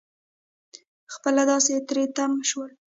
خپله داسې تری تم شول.